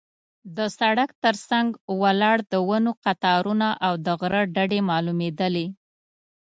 د سړک تر څنګ ولاړ د ونو قطارونه او د غره ډډې معلومېدلې.